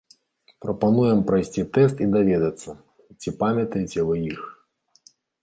Прапануем прайсці тэст і даведацца, ці памятаеце вы іх.